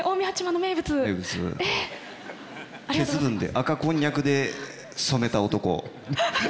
赤こんにゃくで染めた男。